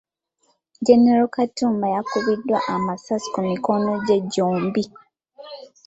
Gen. Katumba yakubiddwa amasasi ku mikono gye gyombi.